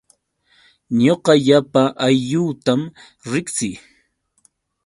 Ñuqa llapa aylluutam riqsii.